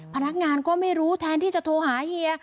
พนักงานก็ไม่รู้แทนที่จะโทรหาเฮีย